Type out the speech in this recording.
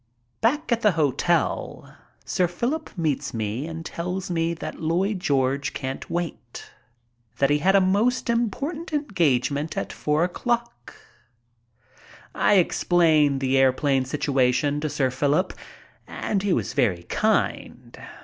Back at my hotel Sir Philip meets me and tells me that Lloyd George couldn't wait, that he had a most important engagement at four o'clock. I explained the airplane situ ation to Sir Philip and he was very kind.